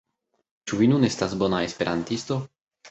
Ĉu vi nun estas bona Esperantisto?